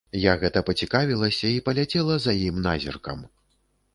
Я гэта пацікавілася і паляцела за ім назіркам.